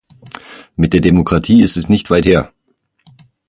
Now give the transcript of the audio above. Mit der Demokratie ist es nicht weit her.